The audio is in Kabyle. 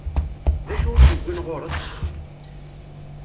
D acu i k-iwwin ɣur-s?